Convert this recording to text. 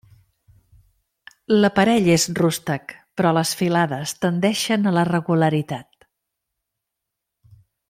L'aparell és rústec, però les filades tendeixen a la regularitat.